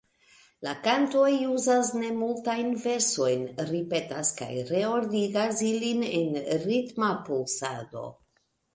La kantoj uzas nemultajn versojn, ripetas kaj reordigas ilin en ritma pulsado.